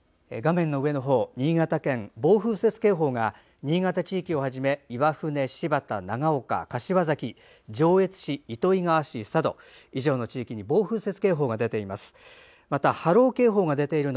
暴風雪警報が新潟県地域をはじめ岩船、新発田長岡、柏崎、上越市、糸魚川市佐渡、以上の地域に暴風雪警報が出ています。